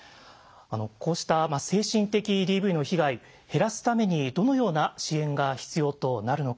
こうした精神的ＤＶの被害減らすためにどのような支援が必要となるのか。